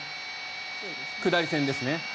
下り線ですね。